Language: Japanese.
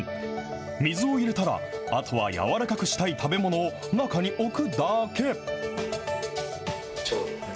水を入れたら、あとは軟らかくしたい食べ物を中に置くだけ。